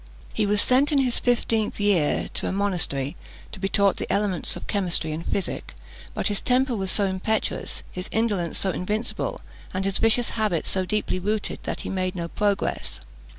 He was sent in his fifteenth year to a monastery, to be taught the elements of chemistry and physic; but his temper was so impetuous, his indolence so invincible, and his vicious habits so deeply rooted, that he made no progress.